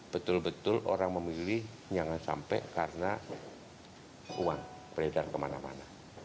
betul betul orang memilih jangan sampai karena uang beredar kemana mana